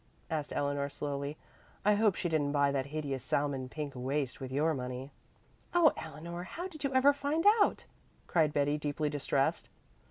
asked Eleanor slowly. "I hope she didn't buy that hideous salmon pink waist with your money." "Oh, Eleanor, how did you ever find out?" cried Betty, deeply distressed.